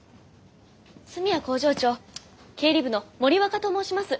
住谷工場長経理部の森若と申します。